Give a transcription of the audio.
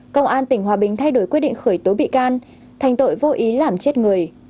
công an tỉnh hòa bình thay đổi quyết định khởi tố bị can thành tội vô ý làm chết người